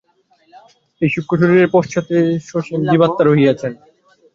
এই সূক্ষ্মশরীরের পশ্চাতে সসীম জীবাত্মা রহিয়াছেন।